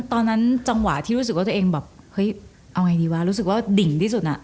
จังหวะที่รู้สึกว่าตัวเองแบบเฮ้ยเอาไงดีวะรู้สึกว่าดิ่งที่สุดอะ